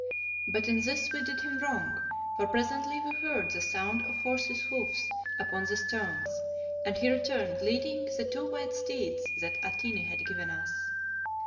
But in this we did him wrong, for presently we heard the sound of horses' hoofs upon the stones, and he returned leading the two white steeds that Atene had given us.